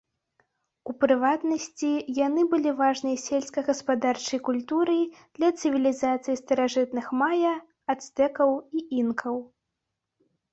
У прыватнасці, яны былі важнай сельскагаспадарчай культурай для цывілізацый старажытных мая, ацтэкаў і інкаў.